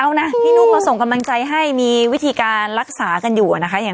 เอานะพี่นุ๊กเราส่งกำลังใจให้มีวิธีการรักษากันอยู่อะนะคะอย่าง